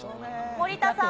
森田さん。